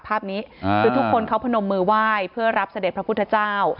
ภาพนี้คือทุกคนเขาพนมมือไหว้เพื่อรับเสด็จพระพุทธเจ้า